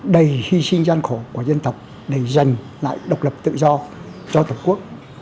đầy hy sinh gian khổ của dân tộc đầy dành lại độc lập tự do cho tổng quốc